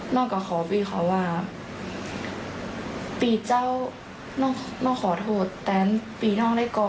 น้องก็ขอพี่เขาว่าปีเจ้าน้องขอโทษแตนปีน้องได้ก่อน